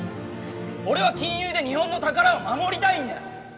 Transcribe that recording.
俺は金融で日本の宝を守りたいんだよ！